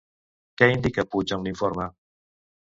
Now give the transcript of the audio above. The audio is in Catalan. Què indica Puig en l'informe?